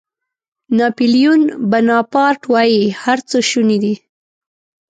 ناپیلیون بناپارټ وایي هر څه شوني دي.